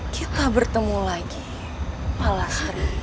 kita bertemu lagi palastri